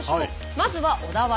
まずは小田原。